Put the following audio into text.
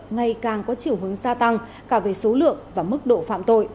ngày càng có chiều hướng gia tăng cả về số lượng và mức độ phạm tội